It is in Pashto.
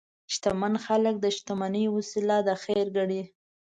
شتمن خلک د شتمنۍ وسیله د خیر ګڼي.